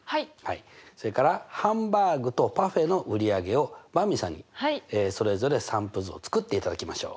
それからハンバーグとパフェの売り上げをばんびさんにそれぞれ散布図を作っていただきましょう。